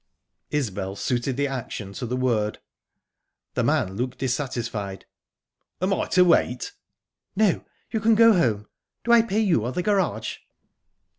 Isbel suited the action to the word. The man looked dissatisfied. "Am I to wait?" "No, you can go home. Do I pay you, or the garage?"